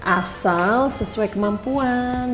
asal sesuai kemampuan